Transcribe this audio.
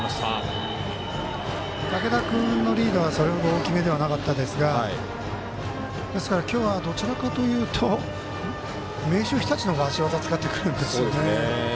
武田君のリードはそれほど大きめではなかったですがですから今日はどちらかというと明秀日立の方が足技使ってくるんですよね。